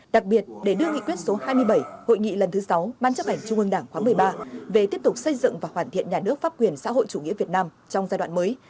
đặc biệt để đưa nghị quyết số hai mươi bảy hội nghị lần thứ sáu ban chấp hành trung ương đảng khóa một mươi ba về tiếp tục xây dựng và hoàn thiện nhà nước pháp quyền xã hội chủ nghĩa việt nam trong giai đoạn mới